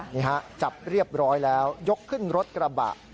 นี่ฮะจับเรียบร้อยแล้วยกขึ้นรถกระบะ